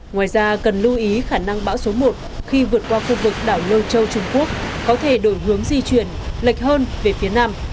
ngoài ra cần lưu ý khả năng bão số một khi vượt qua khu vực đảo lâu châu trung quốc có thể đổi hướng di chuyển lệch hơn về phía nam